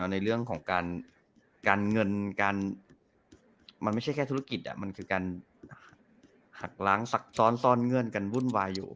ในเรื่องของการเงินการมันไม่ใช่แค่ธุรกิจมันคือการหักล้างซักซ้อนซ่อนเงื่อนกันวุ่นวายอยู่